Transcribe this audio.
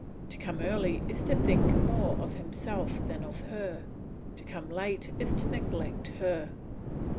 To come early is to think more of himself than of her; to come late is to neglect her.